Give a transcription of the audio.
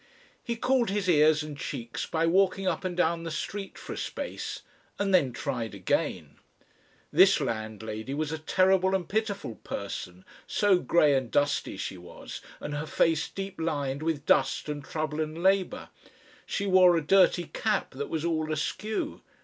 He cooled his ears and cheeks by walking up and down the street for a space, and then tried again. This landlady was a terrible and pitiful person, so grey and dusty she was, and her face deep lined with dust and trouble and labour. She wore a dirty cap that was all askew.